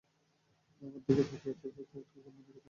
আমার দিকে তাকিয়ে আছে কোথায় ও তো অন্যদিকে তাকিয়ে আছে।